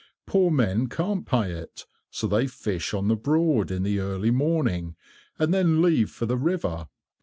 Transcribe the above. Poor men can't pay it, so they fish on the Broad in the early morning, and then leave for the river.